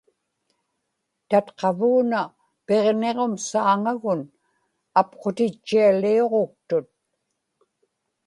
tatqavuuna Piġniġum saaŋagun apqutitchialiuġuktut